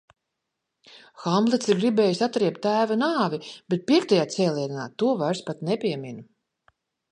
Hamlets ir gribējis atriebt tēva nāvi, bet piektajā cēlienā to vairs pat nepiemin.